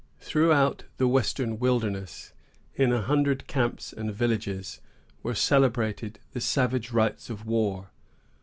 Throughout the western wilderness, in a hundred camps and villages, were celebrated the savage rites of war.